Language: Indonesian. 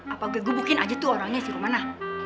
apa gue gebukin aja tuh orangnya sih rumana